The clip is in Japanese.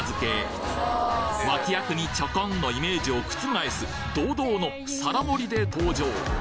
脇役にちょこんのイメージを覆す堂々の皿盛りで登場